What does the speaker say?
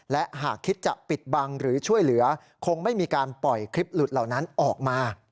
และหากคิดจะปิดบังหรือช่วยเหลือคงไม่มีการปล่อยคลิปหลุดเหล่านั้นออกมา